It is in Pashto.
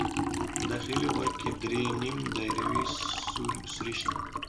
په داخلي غوږ کې درې نیم دایروي سوري شته.